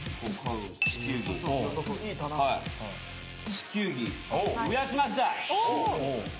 ・地球儀増やした？